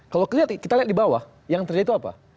kalau kita lihat di bawah yang terjadi itu apa